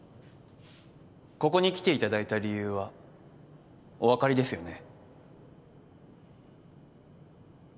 ここに来ていただいた理由はお分かりですよね？